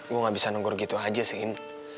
gue nggak bisa negur gitu aja sin